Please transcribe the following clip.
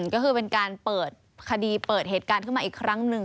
ก็คือเป็นการเปิดคดีเปิดเหตุการณ์ขึ้นมาอีกครั้งหนึ่ง